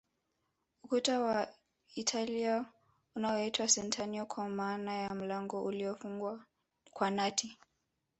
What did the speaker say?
Ukuta wa Italia unaitwa Catenacio kwa maana ya mlango uliofungwa kwa nati